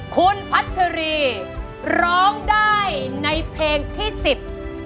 คุณพัชรีร้องได้ในเพลงที่สิบ